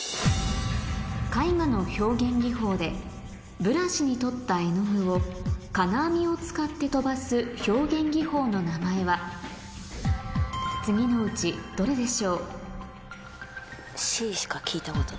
絵画の表現技法でブラシに取った絵の具を金網を使って飛ばす表現技法の名前は次のうちどれでしょう？